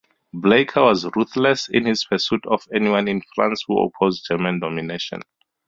Bleicher was ruthless in his pursuit of anyone in France who opposed German domination.